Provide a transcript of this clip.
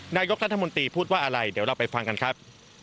นายกรัฐมนตรีพูดว่าอะไรเดี๋ยวเราไปฟังกันครับ